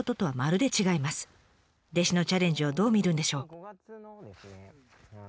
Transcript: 弟子のチャレンジをどう見るんでしょう？